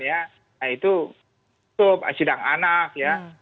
nah itu sidang anak